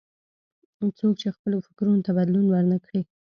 څوک چې خپلو فکرونو ته بدلون ور نه کړي.